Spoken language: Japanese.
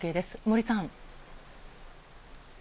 森さん。